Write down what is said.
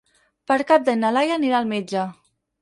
Per Cap d'Any na Laia anirà al metge.